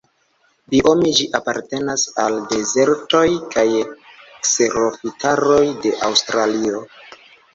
Biome ĝi apartenas al dezertoj kaj kserofitaroj de Aŭstralio.